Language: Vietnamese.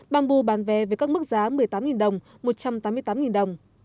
bamboo bán vé với các mức giá một mươi tám đồng một trăm tám mươi tám đồng